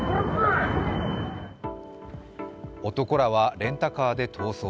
男らはレンタカーで逃走。